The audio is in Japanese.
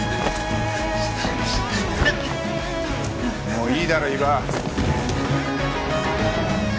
もういいだろ伊庭。